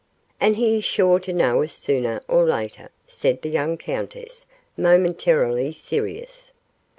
"And he is sure to know us sooner or later," said the young countess, momentarily serious.